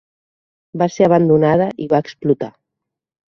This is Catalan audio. Va ser abandonada i va explotar.